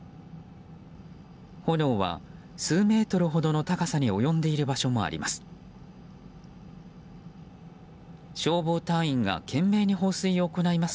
炎は数メートルほどの高さに及んでいる場所もあります。